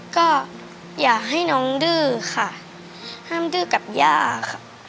ก็อยากให้น้องดื้อค่ะห้ามดื้อกับย่าค่ะ